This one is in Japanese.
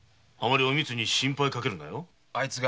あまりおみつに心配かけるなよ。